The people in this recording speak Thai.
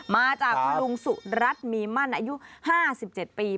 มาจากคุณลุงสุรัตน์มีมั่นอายุ๕๗ปี